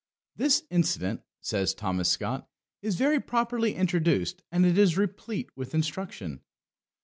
"This incident," says Thomas Scott, "is very properly introduced, and it is replete with instruction."